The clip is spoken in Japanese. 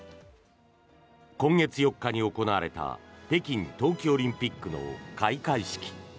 今月４日に行われた北京冬季オリンピックの開会式。